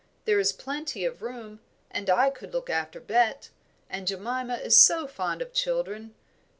There is plenty of room, and I could look after Bet and Jemima is so fond of children.